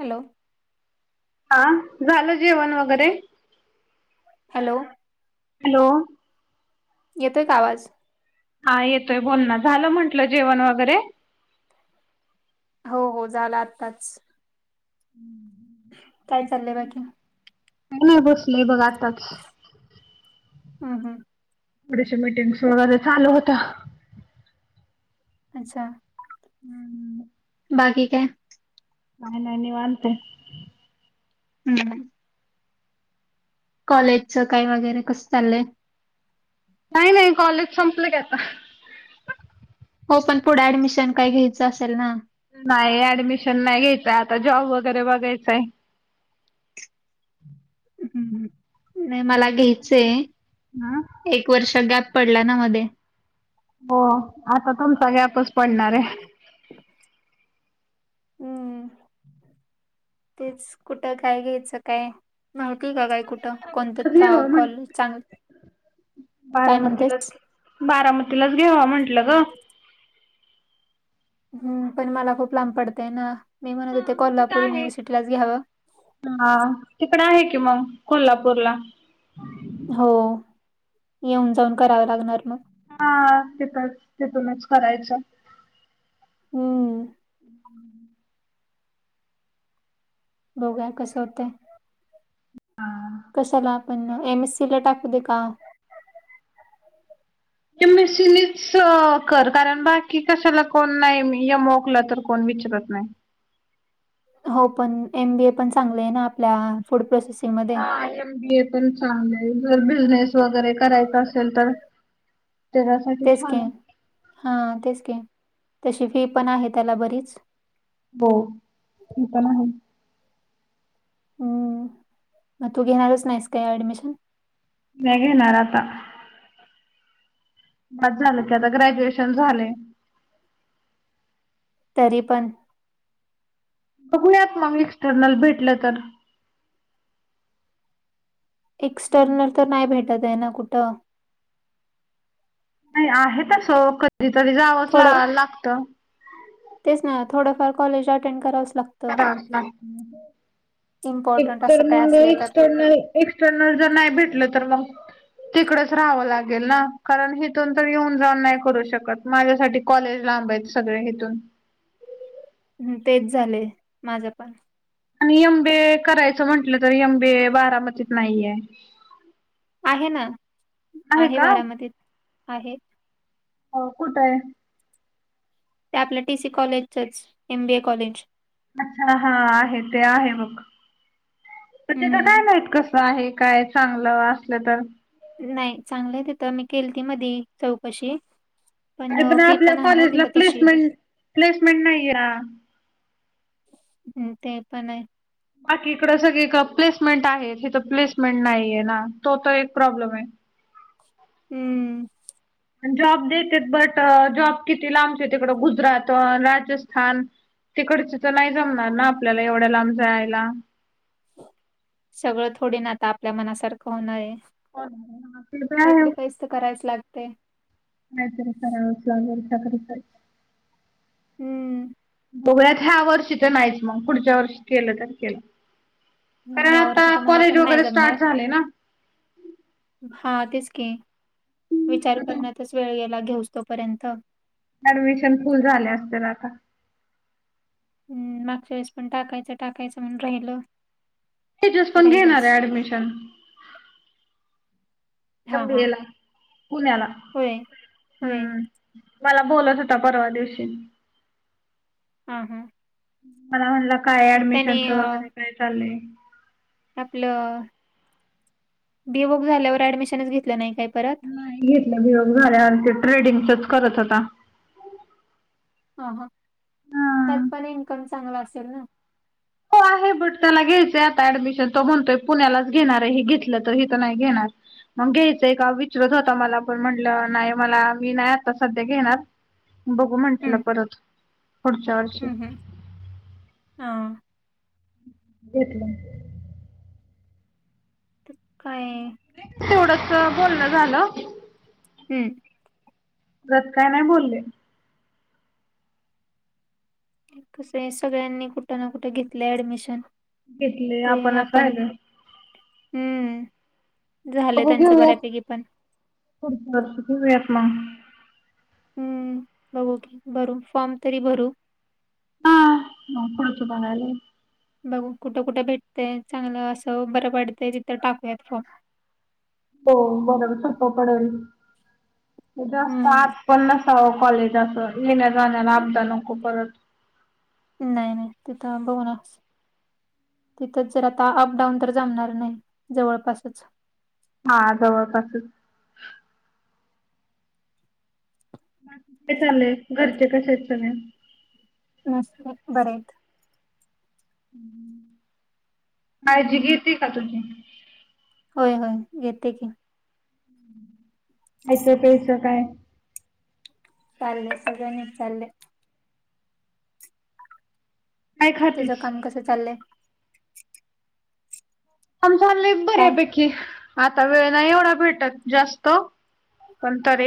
Hello हा झालं जेवण वगैरे. Hello hello. येतोय का आवाज? हा येतोय बोलना झालं म्हंटलं जेवण वगैरे. हो हो. झाला आताच. हम्म काय चाललंय बाई तुम काय नाही बसलोय बघ आताच. हम्म हम्म. थोडीशी मीटिंग्स वगैरे चालू होतं. अच्छा. [unintelligible] बाकी काय? काय नाही निवांत आहे. हम्म कॉलेजचं काय वगैरे कसं चाललंय? नाही नाही, कॉलेज संपलं की आता. हो, पण पुढे ऍडमिशन काही घ्यायचं, असेल ना. नाही ऍडमिशन नाही घ्यायचंय, आता जॉब वगैरे बघायचंय. हम्म हम्म.. मला हा घ्यायचेय एक वर्ष गॅप. पडला ना मध्ये. हो, आता तुमचा गॅपच पडणार ये. हम्म. तेच कुठं काय घ्यायचं काय. माहिती का काय कुठं कोणत, घेवा म्हण कॉलज चांगलं काय बारामतीलाच म्हणतेस. बारामतीलाच घेवाव म्हंटलं ग. हम. पण मला खूप लांब पडतेंय ना, मी म्हणत होते मग तिथं कोल्हापूर आहे युनिव्हर्सिटी लाच घ्यावं. हा तिकडे आहे की, मग कोल्हापूरला. हो येऊन जाऊन करावं लागणार मग. हा तिथच तेथूनच करायचं. हम्म. हम्म. बघुया कस होतंय. हा. कशाला आपण, एम एस सी ला टाकू दे का. एमसीनीच कर कारण बाकी, कशाला कोण नाही यमोकला तर. कोण विचारत नाही. हो पण एम बी ए पण चांगलं आहे ना, आपल्या फूड प्रोसेस. हा एम बी ए पण चांगले आहे, ‌जर बिझनेस वगैरे करायचा असेल तर. त्याच्यासाठी तेच की छान आहे. हा तेच की. तशी फी पण आहे त्याला बरीच. हो ते पण आहे. हम्म. मग तू घेणारच नाहीस, का ऍडमिशन. नाही घेणार आता. बास झालं की आता, ग्रॅज्युएशन झाले. तरी पण. बघूया मग, एक्सटर्नल भेटलं तर. एक्सटर्नल तर नाही भेटत आहे, ना कुठं. नाही आहे तसं, कधीतरी जावंच ला थोडं लागत. तेच ना थोडंफार कॉलेज, अटेंड करावच लागतं. [unintelligible] इम्पॉर्टंट असं काय असले तर एक्सटर्नल जर नाही भेटलं तर मग? तिकडच राहावं लागेल ना कारण, हिथून तर येऊन जाऊन नाही करू शकत. माझ्यासाठी कॉलेज लांब आहेत सगळे इथून. हं.. तेच झालेय, माझं पण. आणि य एम बी ए करायचं म्हंटलं तर, एम बी ए बारामतीत नाहीये. आहे ना आहे का हो बारामतीत आहे. हो कुठं आहे? ते आपल्या टीसी कॉलेजचच, एम बी ए कॉलेज. अच्छा. हा आहे ते आहे मग, तर त्याच काय हम्म माहित कसं. आहे काय चांगलं, असलं तर. नाही चांगलं तिथं मी केलती मधी चौकशी. पण एदना फी आपल्या पण आहे ना कॉलेजला तिथं तशी प्लेसमेंट प्लेसमेंट नाही रा. हम्म ते पण आहे. बाकी इकडं सगळीकडे प्लेसमेंट आहे तिथं प्लेसमेंट नाहीये ना तो तर एक प्रॉब्लेम आहे. हम्म. जॉब देतेत बट जॉब किती लांबचे, ते तिकडं गुजरात राजस्थान. हिकडच तर नाही जमणार ना आपल्याला एवढ्या लांब जायला. सगळं थोडी ना आता आपल्या मनासारखं होणार आहे. [inaudible] ते तर आहे. ते करायच लागते. काहीतरी करावंच लागेल त्यासाठी काय हम्म. बघुयात ह्या वर्षी तर नाहीच मग पुढच्या वर्षी केलं तर केलं. कारण नाही यावर्षी आता तर मला कॉलेज पण नाय वगैरे जमणार. स्टार्ट झाले ना. हा तेच की विचार आता करण्यातच वेळ गेला घेऊस तोपर्यंत ऍडमिशन फुल झाले असतील आता. हम्म मागच्या वेळेस पण टाकायचं टाकायचं म्हणून राहिल. तेजस पण घेणार आहे ऍडमिशन. हा हा पंधरावीला पुण्याला होय होय हम्म. मला बोलत होता परवा दिवशी. आं हां. मला म्हणला काय ॲडमिशनच अ, वगैरे काय चाललंय? आपलं डी वोक झाल्यावर ऍडमिशनच घेतलं नाही काय परत? घेतलं बियोक झाल्यावर ते ट्रेडिंगचच करत होता. हा हा, हा त्यात पण इन्कम चांगला असेल ना. हो आहे बट त्याला घ्यायचंय आता ऍडमिशन तो म्हणतोय पुण्यालाच घेणार आहे हे घेतलं तर, हीथ नाही घेणार. मग घ्यायचंय का विचरत होता मला, पण म्हटलं नाही मला मी नाही आता सध्या घेणार. बघू म्हटलं हम्म परत पुढच्या वर्षी हम्म हम्म हा. घेतलं असेल. काय थोडसं बोलण झालं. हम्म. तसं काय नाही बोलले. ते कस आहे, सगळ्यांनी कुठं ना कुठे घेतलंय ॲडमिशन घेतले ते आपणच आपण राहिलोय हम्म. झालं बघू त्यांचं घेऊयात, बऱ्यापैकी पण पुढच्या वर्ष घेऊयात मग. हम्म बघू की भरू, फॉर्म तरी भरू. नोकरीच बघायलय. बघू कुठं कुठे भेटतय चांगलं असं बरं पडते तिथं टाकूयात फॉर्म. हो [unintelligible] सोप्पं पडेल जास्त हम्म आत पन्नासाव कॉलेज असं, येण्या जाण्याला आपदा नको परत. नाही नाही ते थांबवणारच. तिथंच जर आता अप डाऊन तर जमणार नाही जवळपासच हा जवळपासच. [inaudible] हम्म चाललंय घरचे कसे आहेत सगळे? मस्त आहे बरे आहेत. हम्म काळजी घेते का तुझी? होय-होय येते की. खायचं प्यायचं काय? चालले सगळ्य नीट चालले. काय तुझं खातेस काम कसं चाललंय? काम चाललंय काय बर्यापैकी आता वेळ नाही एवढा भेटत जास्त. पण, तरी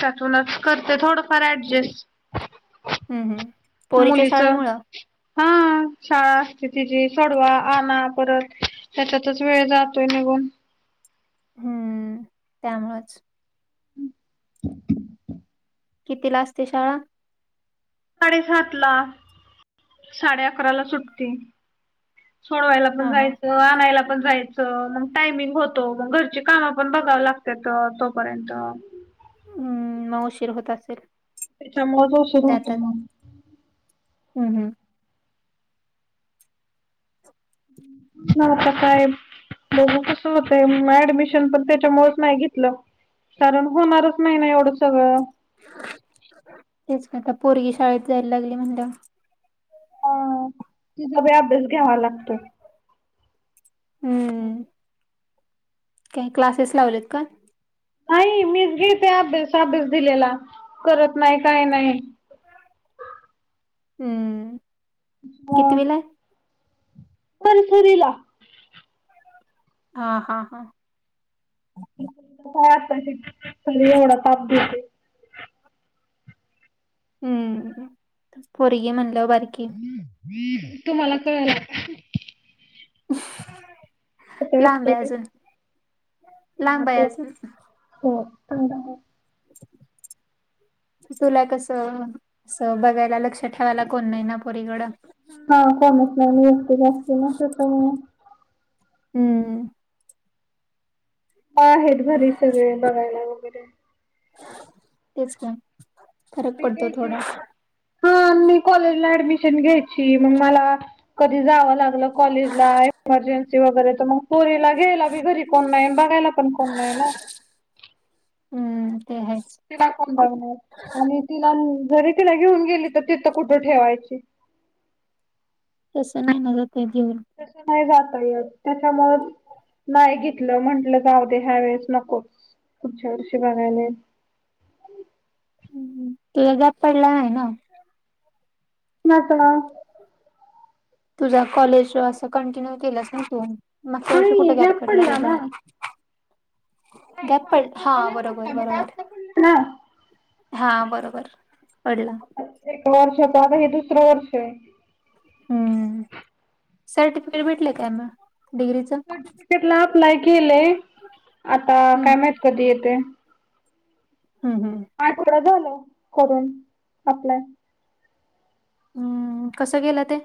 त्यातूनच करते थोडंफार ॲडजस्ट. हम्म हम्म. पोरीच्या मुलीच शाळेमुळं हा, शाळा असते तिची सोडवा आणा परत. त्याच्यातच वेळ जातोय निघून. हम्म त्यामुळेच. [unintelligible] कितीला असते शाळा? साडेसातला साडे अकराला सूटती. सोडवायला पण हा हा जायचं आणायला पण जायचं, मग टायमिंग होतो. मग घरची कामं पण बघाव लागत्यात तोपर्यंत. हम्म मग, उशीर होत असेल. त्याच्यामुळेच उशीर होतोय त्यातच मग. हम्म हम्म. मग आता काय बघु कसं होतंय. ऍडमिशन पण, त्याच्यामुळेच नाही घेतलं. कारण होणारच नाही ना एवढं सगळं. तेच की आता पोरगी शाळेत जायला लागली म्हणल्यावर. अं तिजा बी अभ्यास घ्यावा लागतोय. हम्म. काही क्लासेस लावलेत का? नाही मीच घेते अभ्यास अभ्यास दिलेला. करत नाही, काय नाही. हम्म कितवीलाय? तर्सरीला हा हा हा. सरीत हाय आत्ताशी तरी एवढा ताप देतय. हम्म पोरगी म्हणल्यावर बारकी. तुम्हाला कळल आता. [unintelligible] [unintelligible] लांब आहे अजून हा लांब आहे तो, अजून शांत आहे. [unintelligible] चुला कसं अस बघायला लक्ष ठेवायला, कोण नाही ना पोरीकडं. हा कोणच [unintelligible] ना मग त्याच्यामुळं. हम्म. आहेत घरी सगळे बघायला वगैरे. तेच की. हा मी कॉलेजला ॲडमिशन घ्यायची मग मला. कधी जावं लागलं कॉलेजला इमर्जन्सी वगैरे तर मग. चोरीला घ्यायला बी घरी कोण नाही आणि बघायला पण कोण नाही ना. हम्म ते हायच. त दखून बघणार आणि तिला जरी तिला घेऊन गेली तर तिथं कुठं ठेवायची? तसं नाही ना जात आहे जेवण. तस नाही जात येत त्यांच्यामुळं नाही घेतलं म्हटलं जाऊ दे ह्या वेळेस नकोच, पुुढच्या वर्षी बघायला येईल. हम्म हम्म, तुझा गॅप पडला नाही ना. नाता तुझा कॉलेज असं कंटिन्यू केलंस ना तू? मागच्या वर्षी कुठे नाही गॅप पडलाय पडला तुझा? ना नाही गॅप्प पड हा तेव्हा नाही बरोबर पडला बट बरोबर. आता पडला ना हा बरोबर पडला. एक वर्षता हे दुसरं वर्ष आहे. हम्म सर्टिफिकेट भेटलय मंग डिग्रीचा? टला अँप्लाय केलंय, आता हम्म काय माहित कधी येतंय. हम्म हम्म. आठवडा झालं करून अप्लाय. हम्म कसं गेलं ते?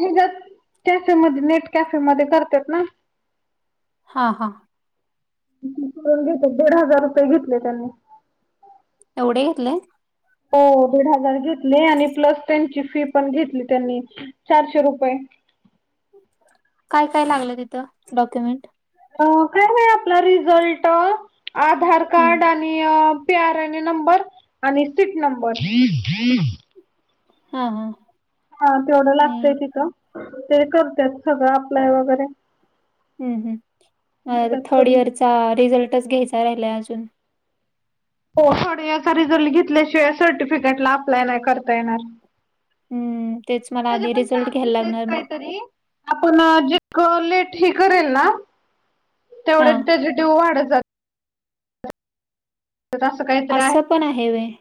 त्याच्यामध्ये नेट कॅफेमध्ये करतात ना. हा हां. करून घेतले दीड हजार रुपये घेतले त्यांनी. एवढे घेतले? हो दीड हजार घेतले आणि प्लस त्यांची फी पण घेतली त्यांनी चारशे रुपये. काय काय लागलं तिथं डॉक्युमेंट? काय नाय आपला रिझल्ट आणि आधार हम्म कार्ड ते पीआर एत नंबर आणि सीट नंबर. हा हा. हा तेवढं नाही लागतंय तिथं ते करतात सगळं अप्लाय वगैरे. हम् ह् माझा देतात थर्ड करून. इयर चा रिझल्टच घ्यायचा राहिलाय अजून. हो थर्ड इयर चा रिझल्ट घेतल्याशिवाय सर्टिफिकेटला अप्लाय नाही करता येणार. हम्म तेच मला त्याचं आधी पण रिझल्ट घ्यायला चार्जेस आहेत लागणार मग काहीतरी. आपण जितकं लेट हे करेल ना हा तेवढ्यात पॉझिटिव्ह वाढत जातात त्यात असं काहीतरी आहे. पण आहे व्हय.